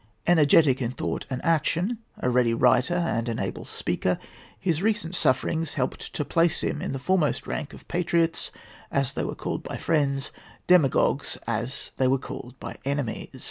Energetic in thought and action, a ready writer and an able speaker, his recent sufferings helped to place him in the foremost rank of patriots, as they were called by friends—demagogues, as they were called by enemies.